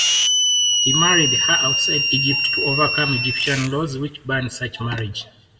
He married her outside Egypt to overcome Egyptian laws which ban such marriage.